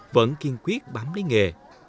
vẫn kiên quyết bám lấy nghề